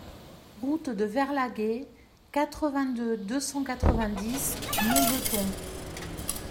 Route de Verlhaguet, quatre-vingt-deux, deux cent quatre-vingt-dix Montbeton